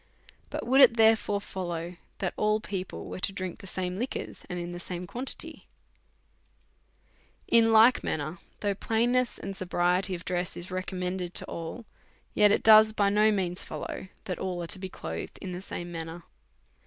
But would it therefore follow that all people were to drink the same licjuors, and the same quantity ? In like manner, though plainness and sobriety of dress is recommended to all, yet it does by no means follow that all are to be clothed in the same manner.